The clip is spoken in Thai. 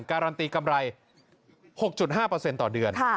การันตีกำไร๖๕ต่อเดือน